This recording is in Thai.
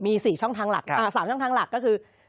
มี๔ช่องทางหลัก๓ช่องทางหลักก็คือ